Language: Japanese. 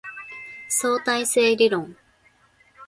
相対性理論